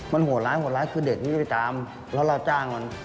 มันโหดร้ายโหดร้ายคือเด็กที่จะไปตามแล้วเราจ้างมัน